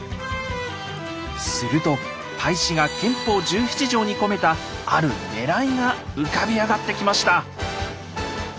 すると太子が憲法十七条に込めた「あるねらい」が浮かび上がってきました！